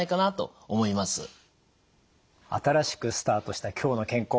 新しくスタートした「きょうの健康」。